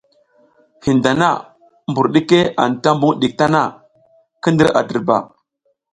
Hin dana mbur ɗike anta mbuƞ ɗik tana, ki ndir a dirba.